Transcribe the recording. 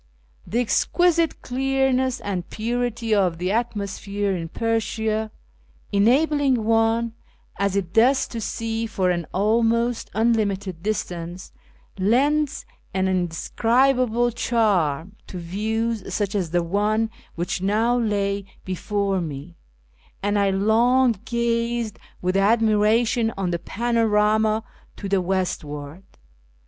The exquisite clearness and purity of the atmosphere in Persia, enabling one as it does to see for an almost un limited distance, lends an indescribable charm to views such as the one wliich now lay before me, and I long gazed with admiration on the panorama to the westward.